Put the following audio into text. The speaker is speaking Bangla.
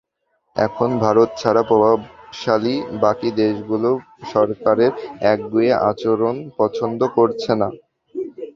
এখন ভারত ছাড়া প্রভাবশালী বাকি দেশগুলো সরকারের একগুঁয়ে আচরণ পছন্দ করছে না।